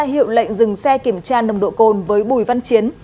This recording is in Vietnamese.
hiệu lệnh dừng xe kiểm tra nằm nội côn với bùi văn chiến